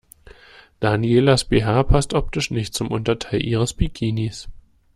Danielas BH passt optisch nicht zum Unterteil ihres Bikinis.